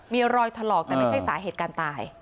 มีรอยถลอกแต่ไม่ใช่สาเหตุการตาย